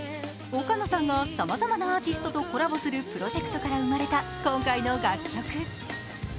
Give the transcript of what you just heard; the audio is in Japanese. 岡野さんがさまざまなアーティストとコラボするプロジェクトから生まれた今回の楽曲。